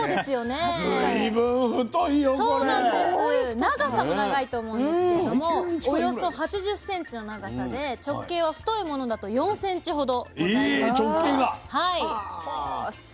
長さも長いと思うんですけれどもおよそ８０ｃｍの長さで直径は太いものだと４ｃｍほどございます。